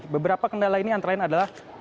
beberapa kendala ini antara lain adalah